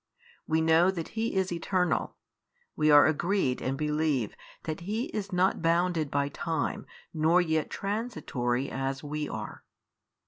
We know that He is Eternal, we are agreed and believe that He is not bounded by time, nor yet transitory, as WE are.